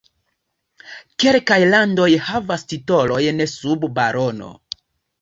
Kelkaj landoj havas titolojn sub barono.